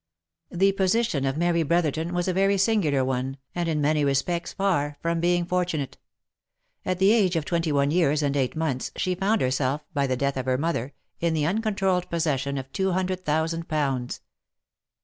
The position of Mary Brotherton was a very singular one, and in many respects far from being fortunate. At the age of twenty one years and eight months, she found herself, by the death of her mother, in the uncontrolled possession of two hundred thousand pounds.